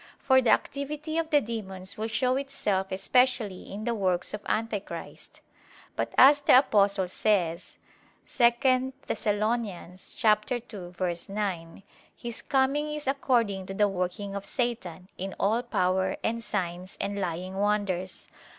For the activity of the demons will show itself especially in the works of Antichrist. But as the Apostle says (2 Thess. 2:9), his "coming is according to the working of Satan, in all power, and signs, and lying wonders."